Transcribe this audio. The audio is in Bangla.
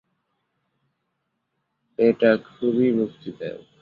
এটা খুবই মুক্তিদায়ক।